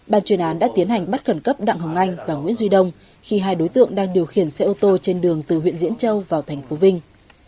ban chuyên án đã tiến hành bắt khẩn cấp đặng hồng anh và nguyễn duy đông khi hai đối tượng đang điều khiển xe ô tô trên đường từ huyện diễn châu vào thành phố vinh